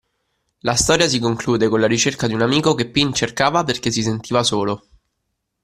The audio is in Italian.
La storia si conclude con la ricerca di un amico che Pin cercava perché si sentiva solo.